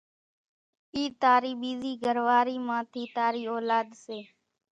اِي تارِي ٻيزي گھرواري مان ٿي تاري اولاۮ سي